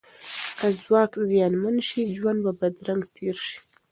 که ځواک زیانمن شي، ژوند به بدرنګ تیر شي.